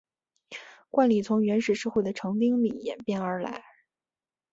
冠礼从原始社会的成丁礼演变而来。